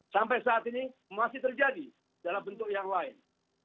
sampai saat ini masih terjadi dalam bentuk yang lain